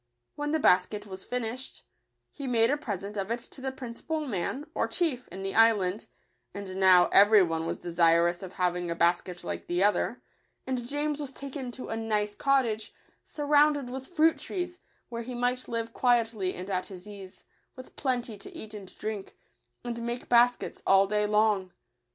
When the basket was finished, he made a present of it to the principal man, or chief, in the island; and now every one was desirous of having a bas ket like the other ; and James was taken to a nice cottage, surrounded with fruit trees, where he might live quietly and at his ease, with plenty to eat and drink, and make bas kets all day long.